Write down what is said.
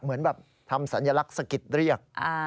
เหมือนแบบทำสัญลักษณ์สะกิดเรียก